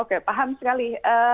oke paham sekali